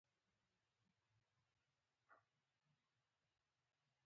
د سیندونو نومونه ولیکئ او ټولګیوالو ته یې وښایاست.